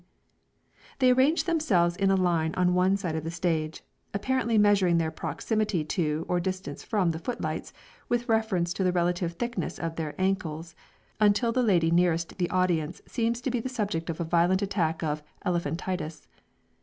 They arrange themselves in a line on one side of the stage, apparently measuring their proximity to or distance from the foot lights, with reference to the relative thickness of their ankles, until the lady nearest the audience seems to be the subject of a violent attack of elephantiasis.